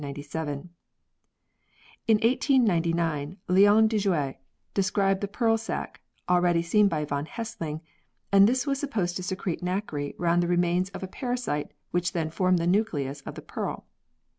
In 1899, Leon Diguet described the pearl sac, already seen by von Hessling, and this was supposed to secrete nacre round the remains of a parasite which then formed the nucleus of the pearl.